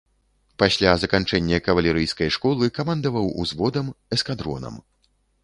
Пасля заканчэння кавалерыйскай школы камандаваў узводам, эскадронам.